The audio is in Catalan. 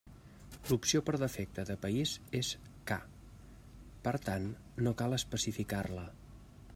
L'opció per defecte de país és ca, per tant no cal especificar-la.